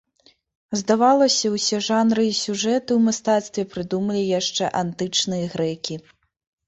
Здавалася, усе жанры і сюжэты ў мастацтве прыдумалі яшчэ антычныя грэкі.